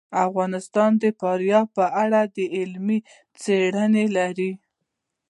افغانستان د فاریاب په اړه علمي څېړنې لري.